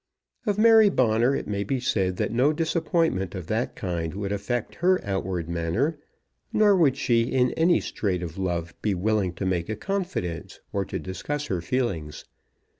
Of Mary Bonner it may be said that no disappointment of that kind would affect her outward manner; nor would she in any strait of love be willing to make a confidence or to discuss her feelings.